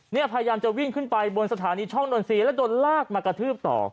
พยายามจะวิ่งขึ้นไปบนสถานีช่องนนทรีย์แล้วโดนลากมากระทืบต่อ